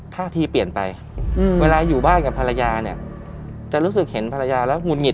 ท่าทีเปลี่ยนไปเวลาอยู่บ้านกับภรรยาเนี่ยจะรู้สึกเห็นภรรยาแล้วหงุดหงิ